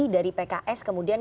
dari pks kemudian